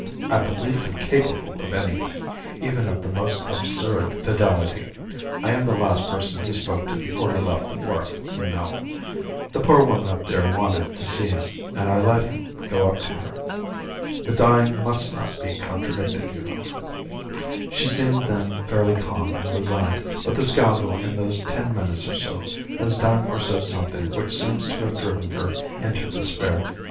"I believe him capable of anything even of the most absurd fidelity. I am the last person he spoke to before he left the wharf, you know. The poor woman up there wanted to see him, and I let him go up to her. The dying must not be contradicted, you know. She seemed then fairly calm and resigned, but the scoundrel in those ten minutes or so has done or said something which seems to have driven her into despair.